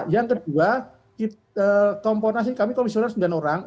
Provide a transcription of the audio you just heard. yang kedua komponas ini kami komisioner sembilan orang